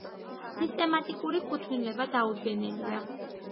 სისტემატიკური კუთვნილება დაუდგენელია.